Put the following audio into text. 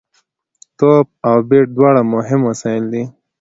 توپ او بېټ دواړه مهم وسایل دي.